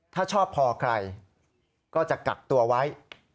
ถ้าชอบพอใครก็จะกักตัวไว้